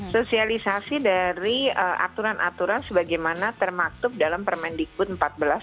sosialisasi dari aturan aturan sebagaimana termasuk layanan rumah berasal dari keluarga daripada setengah